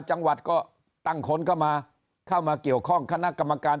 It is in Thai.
จังหวัดก็ตั้งคนเข้ามาเข้ามาเกี่ยวข้องคณะกรรมการ